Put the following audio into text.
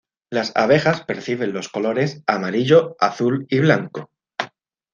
Las abejas perciben los colores amarillo, azul y blanco.